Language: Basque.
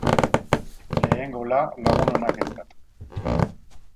lehen gola Lagun onakentzat